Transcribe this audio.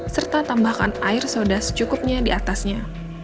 serta tambahkan air soda secukupnya di atasnya